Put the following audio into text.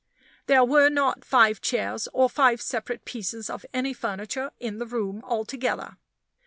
There were not five chairs or five separate pieces of any furniture in the room altogether.